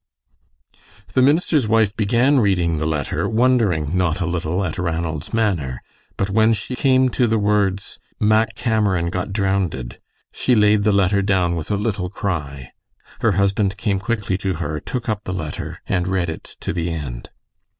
The minister's wife began reading the letter, wondering not a little at Ranald's manner, but when she came to the words, "Mack Cameron got drownded," she laid the letter down with a little cry. Her husband came quickly to her, took up the letter, and read it to the end.